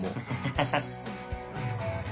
ハハハハ。